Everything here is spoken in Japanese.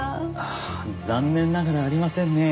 あ残念ながらありませんね。